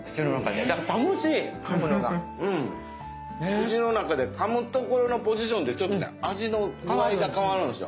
口の中でかむところのポジションでちょっとね味の具合が変わるんですよ。